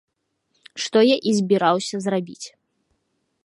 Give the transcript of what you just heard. Што я і збіраўся зрабіць.